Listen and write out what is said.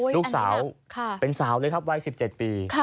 ลูกสาวเป็นสาวเลยครับวัย๑๗ปี